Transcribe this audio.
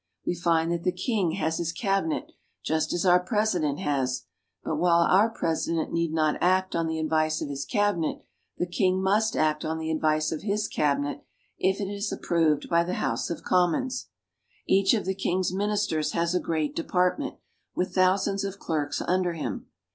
We find that the king has his Westminster Abbey. Cabinet just as our President has, but while our President need not act on the advice of his Cabinet, the king must act on the advice of his Cabinet if it is approved by the House of Commons. Each of the king's ministers has a great department, with thousands of clerks under him.